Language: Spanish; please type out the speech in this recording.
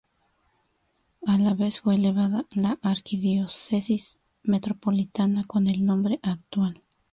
A la vez fue elevada a arquidiócesis metropolitana con el nombre actual.